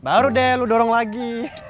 baru deh lu dorong lagi